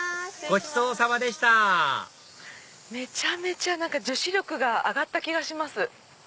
ごちそうさまでしためちゃめちゃ女子力が上がった気がします。